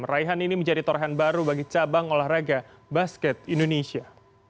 raihan ini menjadi torehan baru bagi cabang olahraga basket indonesia